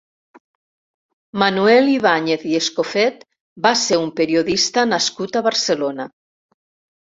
Manuel Ibáñez i Escofet va ser un periodista nascut a Barcelona.